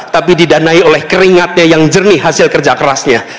tapi didanai oleh keringatnya yang jernih hasil kerja kerasnya